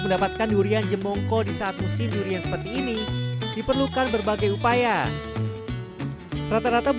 mendapatkan durian jemongko disatu si durian seperti ini diperlukan berbagai upaya rata rata